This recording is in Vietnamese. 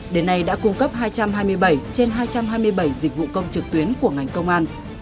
đến nay đã cung cấp hai trăm hai mươi bảy trên hai trăm hai mươi bảy dịch vụ công trực tuyến của ngành công an